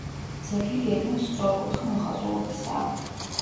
ძეგლი გეგმით სწორკუთხა მოხაზულობისაა.